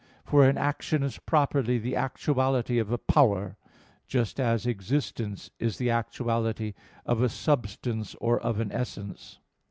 For an action is properly the actuality of a power; just as existence is the actuality of a substance or of an essence.